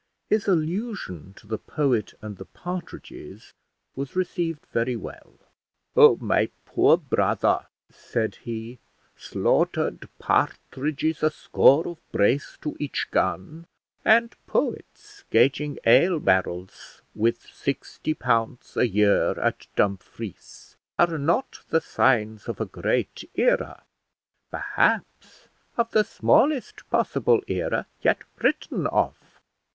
His allusion to the poet and the partridges was received very well. "Oh, my poor brother," said he, "slaughtered partridges a score of brace to each gun, and poets gauging ale barrels, with sixty pounds a year, at Dumfries, are not the signs of a great era! perhaps of the smallest possible era yet written of.